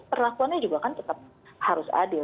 perlakuannya juga kan tetap harus adil